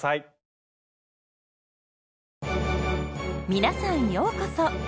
皆さんようこそ！